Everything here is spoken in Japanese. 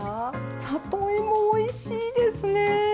里芋おいしいですね！